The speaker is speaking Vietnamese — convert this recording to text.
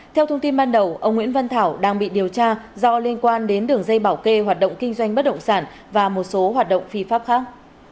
theo thông tin ban đầu ông nguyễn văn thảo đang bị điều tra do liên quan đến đường dây bảo kê hoạt động kinh doanh bất động sản và một số hoạt động phi pháp khác